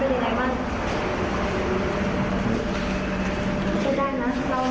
เพราะแม่เสียใจมากเลย